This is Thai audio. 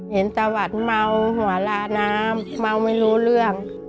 ตะวัดเมาหัวลาน้ำเมาไม่รู้เรื่อง